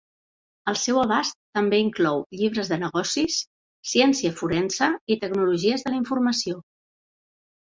El seu abast també inclou llibres de negocis, ciència forense i tecnologies de la informació.